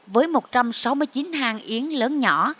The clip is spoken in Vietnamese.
với một trăm sáu mươi chín hàng yến lớn nhỏ